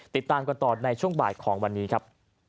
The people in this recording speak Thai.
ติดตามกันต่อในช่วงบ่ายของวันนี้ครับ